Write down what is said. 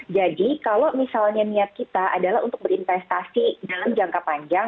jadi kalau misalnya niat kita adalah untuk berinvestasi dalam jangka panjang